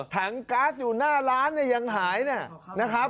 ถังก๊าซอยู่หน้าร้านยังหายนะ